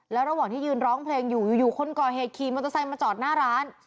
แล้วระหว่างที่ยืนร้องเพลงอยู่อยู่คนก่อเหตุขี่มอเตอร์ไซค์มาจอดหน้าร้าน